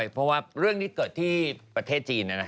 แกล้งแกล้งแกล้ง